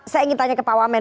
saya ingin tanya ke pak wamen